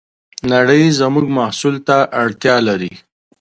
نړۍ زموږ محصول ته اړتیا لري.